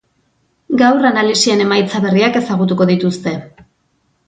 Gaur analisien emaitza berriak ezagutuko dituzte.